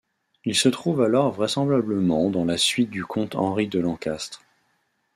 Il se trouve alors vraisemblablement dans la suite du comte Henri de Lancastre.